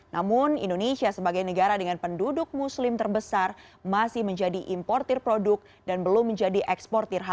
namun indonesia sebagai negara dengan penduduk muslim terbesar masih menjadi importir produk dan belum menjadi eksportir